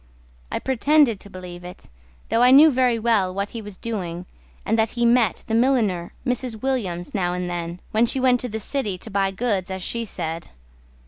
I pretended to believe it, though I knew very well What he was doing, and that he met The milliner, Mrs. Williams, now and then When she went to the city to buy goods, as she said.